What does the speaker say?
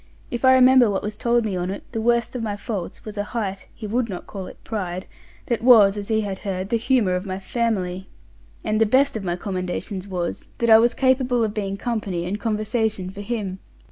If I remember what was told me on't, the worst of my faults was a height (he would not call it pride) that was, as he had heard, the humour of my family; and the best of my commendations was, that I was capable of being company and conversation for him.